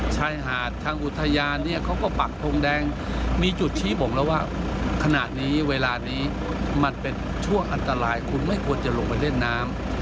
ชายหาดทางอุทยานเนี่ยเขาก็ปักทงแดงมีจุดชี้บอกแล้วว่าขณะนี้เวลานี้มันเป็นช่วงอันตรายคุณไม่ควรจะลงไปเล่นน้ำ